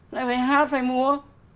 nó phải hát phải múa